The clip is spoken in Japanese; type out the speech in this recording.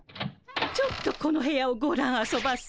ちょっとこの部屋をごらんあそばせ！